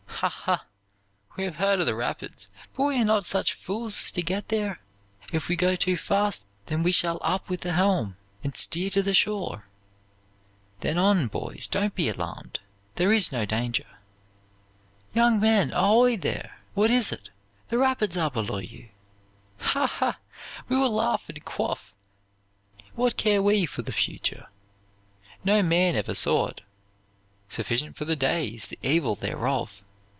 'Ha! ha! we have heard of the rapids, but we are not such fools as to get there. If we go too fast, then we shall up with the helm, and steer to the shore. Then on, boys, don't be alarmed there is no danger.' "'Young men, ahoy there!' 'What is it?' 'The rapids are below you!' 'Ha! ha! we will laugh and quaff. What care we for the future? No man ever saw it. Sufficient for the day is the evil thereof.